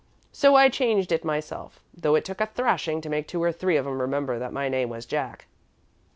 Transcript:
So I changed it myself, though it took a thrashing to make two or three of 'em remember that my name was Jack."